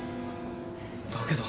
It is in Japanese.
だけど。